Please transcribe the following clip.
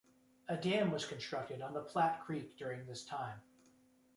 A dam was constructed on the Platte Creek during this time.